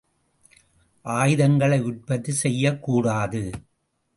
ஆயுதங்களை உற்பத்தி செய்யக்கூடாது!